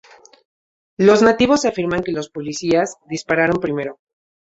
Los nativos afirman que los policías dispararon primero.